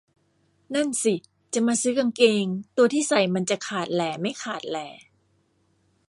นั่นสิ จะมาซื้อกางเกง ตัวที่ใส่มันจะขาดแหล่ไม่ขาดแหล่